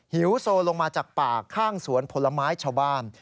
หิวโซลงมาจากป่าข้างสวนผลไม้ชาวบ้าน